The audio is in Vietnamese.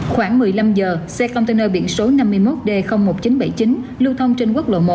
khoảng một mươi năm giờ xe container biển số năm mươi một d một nghìn chín trăm bảy mươi chín lưu thông trên quốc lộ một